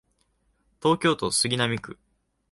東京都杉並区